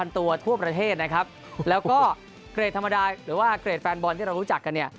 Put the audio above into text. ตัวทั่วประเทศนะครับแล้วก็เกรดธรรมดาหรือว่าเกรดแฟนบอลที่เรารู้จักกันเนี่ย